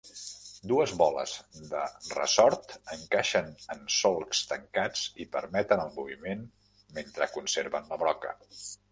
Dues boles de ressort encaixen en solcs tancats i permeten el moviment mentre conserven la broca.